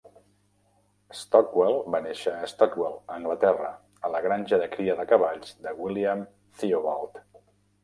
Stockwell va néixer a Stockwell, Anglaterra, a la granja de cria de cavalls de William Theobald.